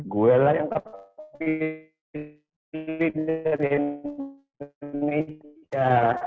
gue lah yang dilih dari indonesia